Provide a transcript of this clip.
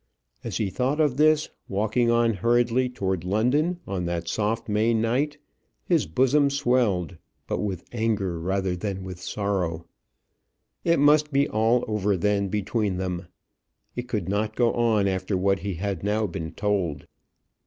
As he thought of this, walking on hurriedly towards London on that soft May night, his bosom swelled, but with anger rather than with sorrow. It must be all over then between them. It could not go on after what he had now been told.